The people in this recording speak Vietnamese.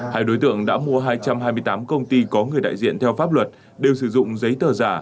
hai đối tượng đã mua hai trăm hai mươi tám công ty có người đại diện theo pháp luật đều sử dụng giấy tờ giả